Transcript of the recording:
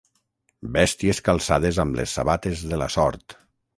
Bèsties calçades amb les sabates de la sort.